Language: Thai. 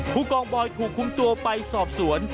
ผู้กองบอยถูกคุมตัวไปสอบสวน